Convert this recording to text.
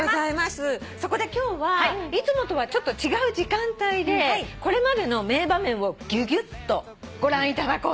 そこで今日はいつもとはちょっと違う時間帯でこれまでの名場面をぎゅぎゅっとご覧いただこうと。